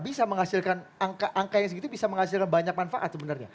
bisa menghasilkan angka angka yang segitu bisa menghasilkan banyak manfaat sebenarnya